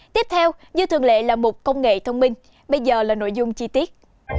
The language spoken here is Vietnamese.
tiếp theo như thường lệ là mục công nghệ thông minh bây giờ là nội dung chi tiết